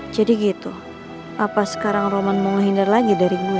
jadi gitu apa sekarang roman mau ngehindar lagi dari gue